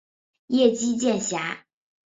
叶基渐狭。